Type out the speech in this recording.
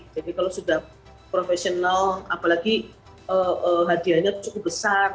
jadi kalau sudah profesional apalagi hadiahnya cukup besar